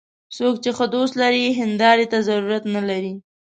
څوک چې ښه دوست لري، هنداري ته ضرورت نه لري